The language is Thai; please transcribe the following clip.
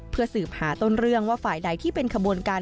เพื่อสืบหาต้นเรื่องว่าฝ่ายใดที่เป็นขบวนการ